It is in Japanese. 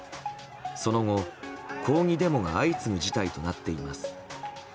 その後、抗議デモが相次ぐ事態となっています。